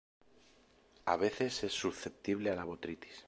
A veces es susceptible a la botrytis.